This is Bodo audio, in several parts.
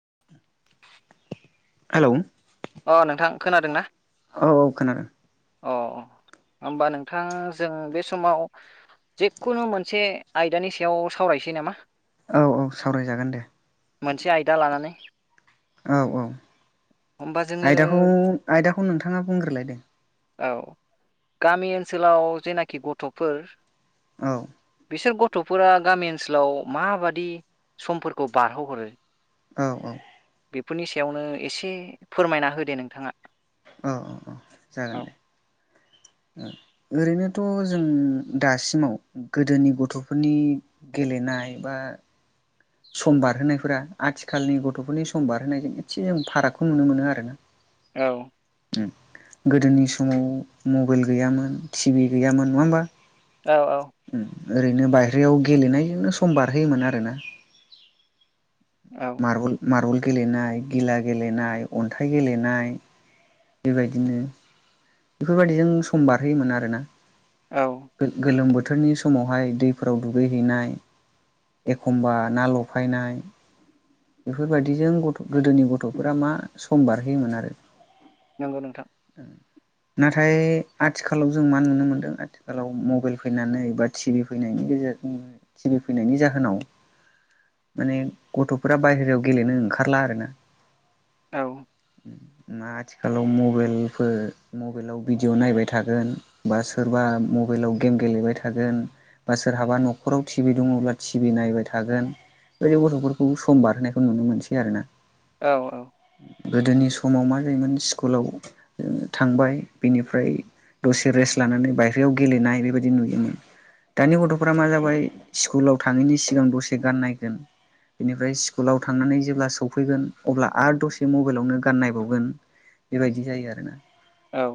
[inaudible] [inaudible] हेलौ। अ नोंथां खोनादों ना? औ औ खोनादों। अ होमबा नोंथां जों बे समाव जेखुनु मोनसे आयदानि सायाव सावरायनोसै नामा? औ औ सावरायजागोन दे मोनसे आयदा लानानै। औ- औ होमबा जोङो आयदाखौ -आयदाखौ नोंथाङा बुंग्रोलायदोंो औ गामि ओनसोलाव जेनाखि गथ'फोर औ बिसोर गथ'फोरा गामि ओनसोलाव माबादि समफोरखौ बारहोहरो औ -औ बेफोरनि सायावनो एसे फोरमायना होदो नोंथाङा औ -औ -औ जागोन औ दे ओरैनोथ' जों दासिमाव गोदोनि गथ'फोरनि गेलेनाय नायबा समबारहायफोरा आथिखालनि गथ'फोरनि सम बारहोनायजों एसे जों फारागखौ नुनो मोनो आरोना औ गोदोनि समाव मबाइल गैयामोन टिभि गैयामोन नङा होमबा औ - औ ओरैनो बायहेरायाव गेलेनायजोंनो सम बारहोयोमोन आर ना औ मार्बल - मार्बल गेलेनाय, गिला गेलेनाय अन्थाइ गेलेनाय बेबायदिनो बेफोरबायदिदिजों सम बारहोयोमोन आरोना औ गोलोम बोथोरनि समावहाय दैफोराव दुगैहैनाय एखमबा ना लफायनाय बेफोरबायदिजों गथ' गोदोनि गथ'फोरा मा सम बारहोयोमोन आरो नंगौ नोंथां नाथाय आथिखालाव जों मा नुनो मोनदों आथिखालाव मबाइल फैनानै बा टि भि फैनायनि फैनायनि जाहोनाव म गथ' फुरा बायहेरायाव गेलेनो ओंखारला आरोना औ ना आथिखालाव मबलफोर मबाइलाव भिडिअ' नायबाय थागोन बा सोरबा मबाइलाव गेम गेलेबाय थागोन बा सोरहाबा न'खराव टिभि दङब्ला टिभि नायबाय थागोन बेदि गथ'फोरखौ खौ सम बारहोनायखौ नुनो मोनसै आरो ना औ - औ गोदोनि समाव मा जायोमोन स्कुलाव थांबाय बेनिफ्राय दसे रेस्ट लानानै बायहेरायाव गेलेनाय बेबायदि नुयोमोन दानि गथ'फ्रा मा जाबाय स्कुलाव थाङैनि सिगां दसे गान नायगोन बेनिफ्राय स्कुलाव थांनानै जेब्ला सफैगोन अब्ला आरो दसे मबाइलावनो गाननायबावगोन बेबायदि जायो आरोोना औ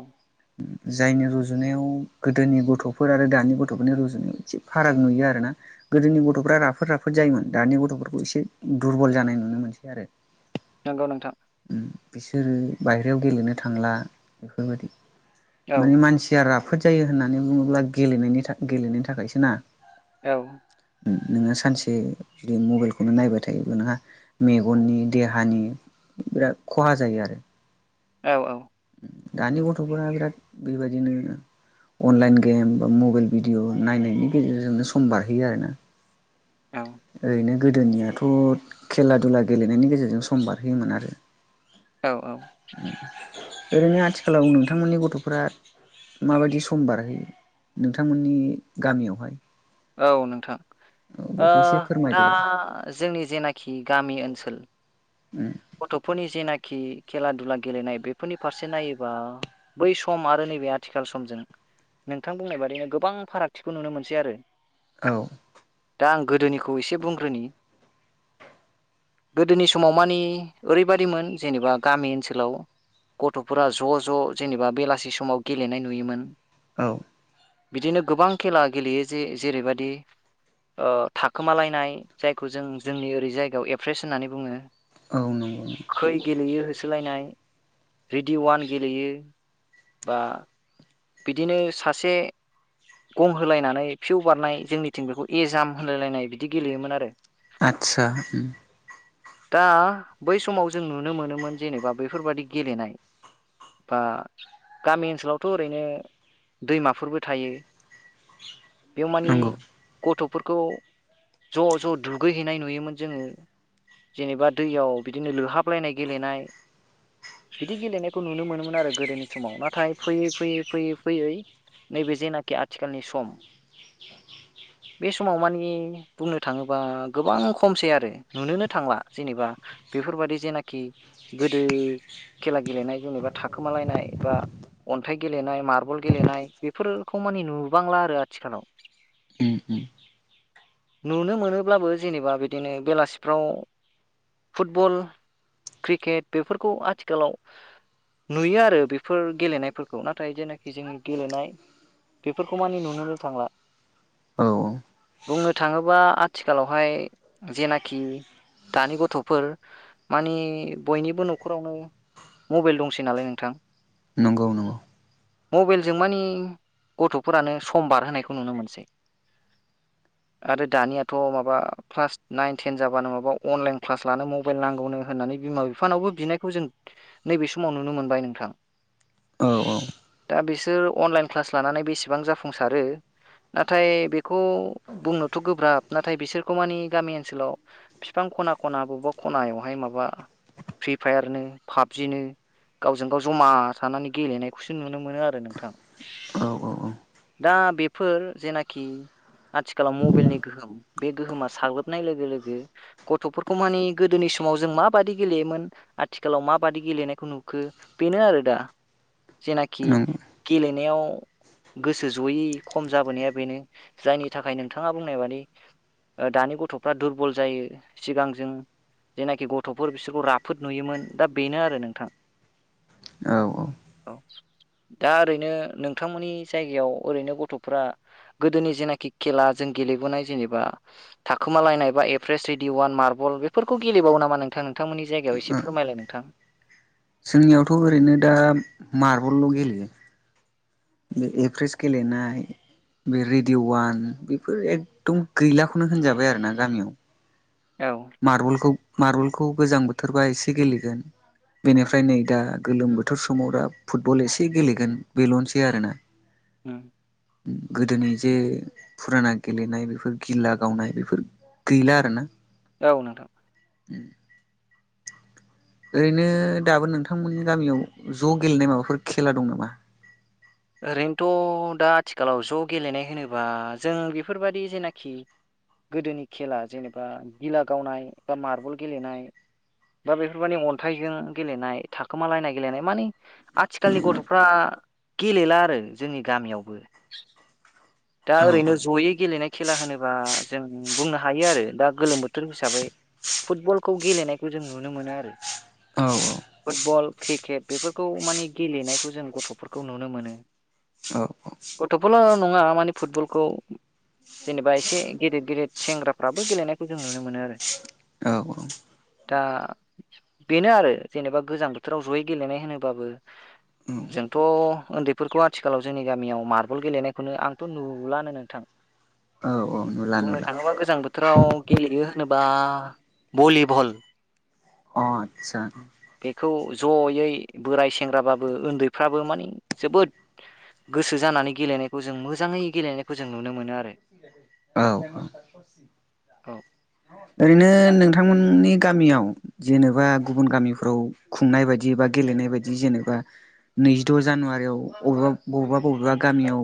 जायनि रुजुनायाव गोदोनि गथ'फोर आरो दानि गथ'फोरनि रुजुनायाव एसे फाराग नुयो आरोना गोदोनि गथ'फ्रा राफोद - राफोद जायोमोन दानि गथ'फोरखौ एसे एसे दुरबल जानाय नुनो मोनसै आरो नंगौ नोंथां बिसोरो बायेरायाव गेलेनो थांला बेफोरबायदि औ माने मानसिया राफ खाफोद जायो होननानै बुङोब्ला गेलनायनि गेलेनायनि थाखायसो ना औ नोंङो सानसे जुदि मबाइल खौनो नायबाय थायो नोंहा मेगननि देहानि बिराद खहा जायो आरो औ -औ दानि गथ'फोरा बिराद बेबायदिनो अनलाइन गेम बा मबाइल भिडिअ नायनायनि गेजेरजोंनो सम बारहोयो आरोना औ ओरैनो गोदोनियाथ' खेला - दुला गेलेनायनि गेजेरजों सम बारहोयोमोन आरो औ- औ ओरैनो आथिखालाव नोंथांमोननि गथ'फोरा माबायदि सम बारहोयो नोंथांमोननि गामियावहाय औ नोंथां औ बेखौ एसे फोरमायदो दा दे जोंनि जेनाखि गामि ओनसोल गथ'फोरनि जेनाखि खेला दुला गेलेनाय बेफोरनि फारसे नायोबा बै सम आरो नैबे आथिखाल समजों नोंथां बुंनाय बादिनो गोबां फारागथिखौ नुनो मोनसै आरो औ दा आं गोदोनिखौ एसे बुंग्रोनि गोदोनि समाव मानिे ओरैबायाददिमोन जेनेबा गामि ओनसोलाव गथ'फोरा ज' ज' जेनेबा बेलासि समाव गेलेनाय नुयोमोन औ बिदिनो गोबां खेला गेलेयो जे जेरैबायदि थाखोमालायनाय जायखौ जों जोंनि ओरै जायगायाव एप्रेस होननानै बुङो औ नंगौ खै गेलेयो होसोलायनाय रेडिअ वान गेलेयो बा बिदिनो सासे गं होलायनानै फिउ बारनाय जोंनिथिं बेखौ एजाम होलायलायनाय बिदि गेलेयोमोन आरो आचसा दा बै समाव जों नुनो मोनोमोन जेनेबा बेफोरबादि गेलेनाय बा गामि ओनसोलावथ' ओैनोमायाव म नंगौ गथ खौ ज' ज' दुगैहैनाय नुयोमोन जोङो जेनेबा दैयाव बिदिनो लोहाबलायनाय गेलेनाय बिदि गेलेनायखौ नुनो मोनोमोन आरो गोदोनि समाव नाथाय फैयै फैयै फैयै फैयै नैबे जेनाखि आथिखालनि सम द बे समाव मानिे बुंनो थाङोबा गोबां खमसै आरो नुनोनो थांला जेनेबा बेफोरबायादि जेनाखि गोदो खेला गेलेनाय जेनेबा थाखोमालायनाय बा अ खन्थाइ गेलेनाय मार्बल गेलेनाय बेफोरखौ मानिे नुबांला आरो आथिखालाव उम उम नुनो मोनोब्लाबो जेनेबा बिदिनो बेलासिफ्राव फुटबल क्रिकेट बेफोरखौ आथिखालाव नुयो आरो बेफोर गेलेनायफोरखौ नाथाय जेनाखि जोंनि गेलेनाय बेफोरखौ मानि नुनो थांला औ बुंनो थाङोबा आथिखालावहाय जेनाखि दानि गथ'फोर मानिे बयनिबो न'खरावनो मबाइल दंसै नालाय नोंथां नंगौ नंगौ मबाइलजों मानिे गथ'फोरानो सम बारहोनायखौ नुनो मोनसै [unintelligible] आरो दानियाथ' माबा क्लास नाइन टेन जाबानो माबा अनलाइन क्लास लानो मबाइल नांगौनो होननानै बिमा बिफानावबो बिनायखौ जों नैबे समाव नुनो मोनबाय नोंथां औ औ दा बिस बिसोर अनलाइन क्लास लानानै बेसेबां जाफुंसारो नाथाय बेखौ बुंनो थ' गोब्राब नाथाय बिसोरखौ मानिे गामि ओनसोलाव बिफां खना खना बबेबा खनायावहाय माबा फ्रि फायारनो पाबजिनो गावजों गाव जमा थानानै गेलेनायखौसो नुनो मोनो आरो नोंथां औ औ औ दा बेफोर जेनाखि आथिखालाव मबाइ गो बे गोहोमा साग्लोबनाय लोगो लोगो गथ'फोरखौ मानि गोदोनि समाव जों मा बादायदि गेलेयोमोन आथिखालाव माबादि गेलेनायखौ नुखो बेनो आरो दा जेनाखि नंगौ गेलेनायाव गोसो जयैनि खम जाबोनाया बेनो जायनि थाखाय नोंथाङा बुंनाय बादि दानि गथ'फ्रा दुरबल जायो सिगां जों जायनाखि गथ'फोर बिसोरखौ राफोद नुयोमोन दा बेनो आरो नोंथां। औ औ औ दा ओरैनो नोंथांमोननि जायगायाव ओरैनो गथ'फ्रा गोदोनि जेनाखि खेला जों गेलेबोनाय जेनेबा थाखोमालायनाय बा एभारेस रेडिअवान मार्बल बेफोरखौ गेलेबावो नामा नोंथां? नोंथां नोंथांमोननि जायगायाव एसे फोरमायलाय नोंथां जोंनियावथ' ओरैनो दा मार्बलल' गेलेयो बे एभ्रेस गेलेनाय बे रेडिअ' वान बेफोर एकदम गैलाखौनो होनजाबाय आरोना गामियाव औ मार्बलखौ मार्बलखौ गोजां बोथोरबा एसे गेलेयो बेनिफ्राय नै दा गोलोम बोथोर समाव दा फुटबल एसे गेलेगोन बेल'नोसै आरोना। उम गोदोनि जे फुराना गेलेनाय बेफोर गिला गावनाय बेफोर गैला आरो ना औ नोंथां ओरैनो दाबो नोंथांमोननि गामियाव ज' गेलेनाय माबाफोर खेला दं नामा? ओरैनोथ' दा आथिखालाव ज' गेलेनाय होनोबा जों बेफोरबायदि जेनाखि गोदोनि खेला जेनेबा गिला गावनाय बा मार्बल गेलेनाय दा बेफोर मानि अन्थाइजों गेलेनाय थाखोमालायनाय गेलेनाय माने आथिखालनि गथ'फ्रा गेलेला आरो जोंनि गामियावबो। दा औ ओरैनो जयै गेलेनाय खेला होनोबा जों बुंनो हायो आरो दा गोलोम बोथोर हिसाबै फुटबलखौ गेलेनायखौ जों नुनो मोनो आरो औ फुटबल क्रिकेट बेफोरखौ माने गेलेनायखौ जों गथ'फोरखौ नुनो मोनो। औ औ गथ'फल नङा माने फुटबलखौ जेनेबा एसे गेदेद गेदेद सेंग्राफ्राबो गेलेनायखौ जों नुनो मोनो आरो [unintelligible] दा बेनो आरो जेनेबा गोजां बोथोराव जयै गेलेनाय होनोबाबो औ जोंथ' उन्दैफोरखौ आथिखालाव जोंनि गामियाव मार्बल गेलेनायखौनो आं थ' नुलानो नोंथां औ औ नुला बुंनो नुला थाङोबा गोजां बोथो राव गेलेयो होनोबा भलिबल अ आतसा बेखौ जयै बोराय सेंग्राबाबो उन्दैफ्राबो माने जोबोद गोसो जानानै गेलेनायखौ जों मोजाङै गेलेनायखौ जों नुनो मोनो आरो औ औ ओरैनो नोंथांमोननि गामियाव जेनेबा गुबुन गामिफ्राव खुंनाय बायदि बा गेलेनाय बायदि जेनेबा नैजिद' जानुवारियाव अबेबा बबेबा बबेबा गामियाव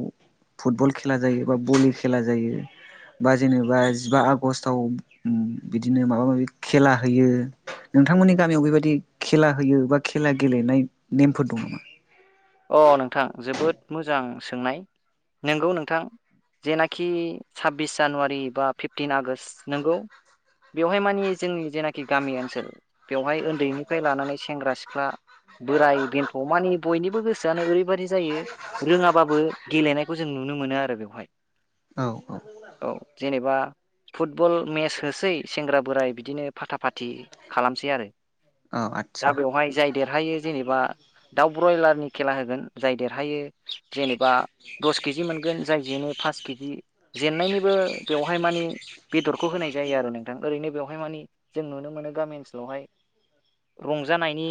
फुटबल खेला जायो बा भलि खेला जायो बा जेनेबा जिबा आगस्टआव इम बिदिनो माबा माबि खेला होयो नोंथांमोननि गामियाव बेबायदि खेला होयो बा खेला गेलेनाय नेमफोर दं नामा? औ अ नोंथां जोबोद मोजां सोंनाय नोंगौ नोंथां। जेनाखि साब्बिस जानुवारि बा फिफ्टिन आगष्ट नंगौ बेवहाय मानि जोंनि जेनाखि गामि ओनसोल बेवहाय उन्दैनिफ्राय लानानै सेंग्रा सिख्ला बोराय बेन्थ' मानि बयनिबो गोसो जानो ओरैबायदि जायो रोङाबाबो गेलेनायखौ जों नुनो मोनो आरो बेवहाय औ औ जेनेबा फुटबल मेच होसै सेंग्रा बोराइ बिदिनो फाथा फाथि खालामसै आरो औ आदसा दा बेवहाय जाय देरहायो जेनेबा दाउ ब्रयलारनि खेला होगोन जाय देरहायो जेनेबा दस केजि मोनगोन जाय जेनो पास केजि जेननायनिबो बेवहाय माने बेदरखौ होनाय जायो आरो नोंथां ओरैनो बेयावहाय बेवहाय मानि जों नुनो गामि ओनसोलावहाय रं जानायनि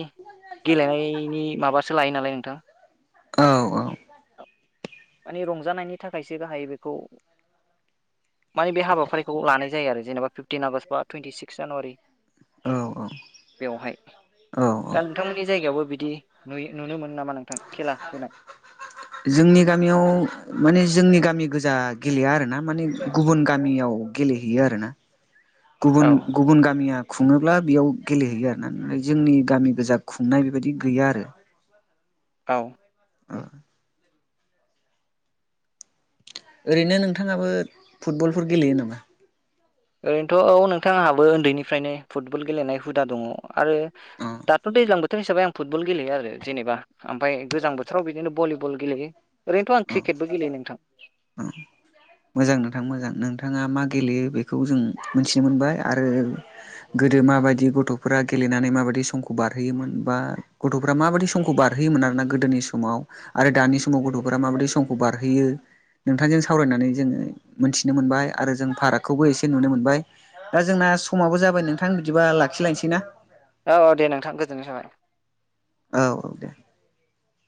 गेलेनायनि माबासो लायो नालाय नोंथां औ औ बे रंजानायनि थाखायसो गाहायै बेखौ माने बे हाबाफारिखौ लानाय जायो आरो जेनेबा फिफ्टिन आगष्ट बा टुइन्टि सिक्स जानुवारि औ बेवहाय औ औ दा नोंथांमोननि जायगायावबो बिदि नुयो नुनो मोनो नामा नों ओं खेला होनाय जोंनि गामियाव माने जोंनि गामि गोजा गेलेया आरोना माने गुबुन गामियाव गेलेहैयो आरो ना औ गुबुन गुबुन गामिया खुङोब्ला बेयाव गेलेहैयो आरो ना जोंनि गामि गोजा खुंनाय बेबायदि गैया आरो मस्ला [inaudible] औ ओरैनो नोंथाङाबो फुटबलफोर गेलेयो नामा ओरैनोथ' औ नोंथां आहाबो उन्दैनिफ्रायनो फुटबल गेलेनाय हुदा दङ आरो अ दाथ' दैज्लां बोथोर हिसाबै आं फुटबल गेलेयो आरो जेनेबा ओमफ्राय गोजां बोथोराव बिदिनो भलिबल गेलेयो ओरैनोथ' आं क्रिकेटबो गेलेयो नोंथां औ मोजां नोंथां मोजां नोंथाङा मा गेलेयो बेखौ जों मिथिनो मोनबाय आरो गोदो माबायदि गथ'फोरा गेलेनानै माबायदि बे समखौ बारहोयोमोन बा गथ'फोरा माबादि समफोरखौ बारहोयोमोन आरो ना गोदोनि समाव आरो दानि समाव गथ'फोरा माबायदि समखौ बारहोयो नोंथांजों सावरायनानै जोङो मोनथिनो मोनबाय आरो जों फारागखौबो एसे नुनो मोनबाय दा जोंना दा समाबो जाबाय नोंथां बिदिबा लाखिलायसैना औ औ दे नोंथां गोजोननाय थाबाय औ औ दे